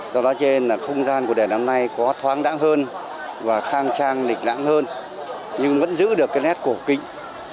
do đó trên là không gian của đền năm nay có thoáng đẳng hơn và khang trang lịch lãng hơn nhưng vẫn giữ được cái nét cổ kính